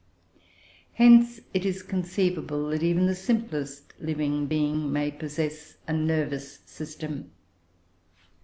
Hence, it is conceivable that even the simplest living being may possess a nervous system.